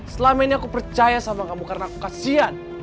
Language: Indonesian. selama ini aku percaya sama kamu karena aku kasian